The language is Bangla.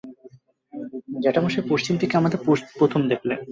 জ্যেঠামশায় পশ্চিম থেকে এসে আমাকে প্রথম দেখলেন।